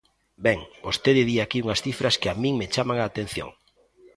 Ben, vostede di aquí unhas cifras que a min me chaman a atención.